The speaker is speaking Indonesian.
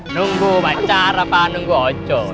nunggu pacar apa nunggu ojol